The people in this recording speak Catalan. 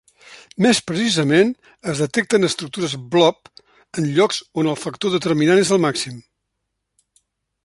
Més precisament, es detecten estructures Blob en llocs on el factor determinant és el màxim.